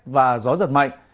và gió giật mạnh